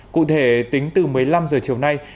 cụ thể tính từ một mươi năm h chiều nay